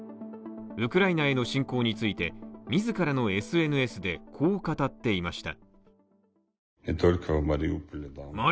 ウクライナへの侵攻について、自らのＳＮＳでこう語っていました。